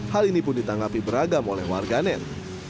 hal ini pun ditanggapi beragam oleh warganet